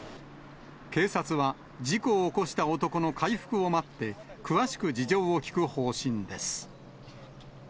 警察は、事故を起こした男の回復を待って、詳しく事情を聴く方針です。